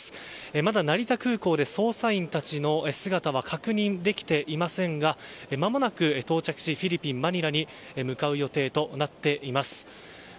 まだ成田空港で捜査員たちの姿は確認できていませんがまもなく到着しフィリピン・マニラに向かう予定となっています。